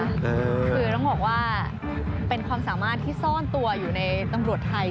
คือต้องบอกว่าเป็นความสามารถที่ซ่อนตัวอยู่ในตำรวจไทย